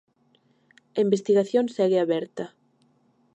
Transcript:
A investigación segue aberta.